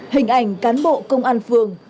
hình ảnh cán bộ công an phường